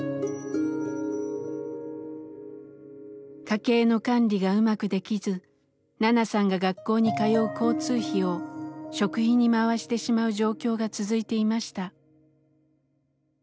家計の管理がうまくできずナナさんが学校に通う交通費を食費に回してしまう状況が続いていました。